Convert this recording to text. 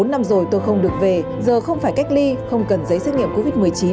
bốn năm rồi tôi không được về giờ không phải cách ly không cần giấy xét nghiệm covid một mươi chín